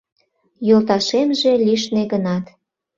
Йолташемже лишне гынат